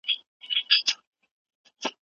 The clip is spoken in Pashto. د حساسیت درملنه څنګه کیږي؟